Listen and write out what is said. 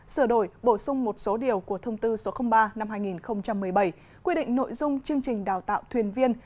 sửa đổi bổ sung một số điều của thông tư số ba năm hai nghìn một mươi bảy quy định nội dung chương trình đào tạo thuyền viên